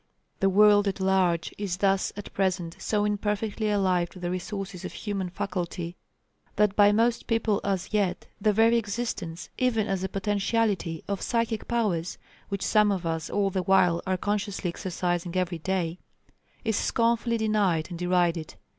The world at large is thus at present so imperfectly alive to the resources of human faculty, that by most people as yet, the very existence, even as a potentiality, of psychic powers, which some of us all the while are consciously exercising every day, is scornfully denied and derided.